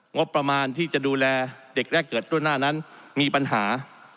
งบประมาณที่จะดูแลเด็กแรกเกิดล่วงหน้านั้นมีปัญหา